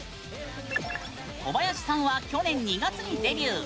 小林さんは去年２月にデビュー。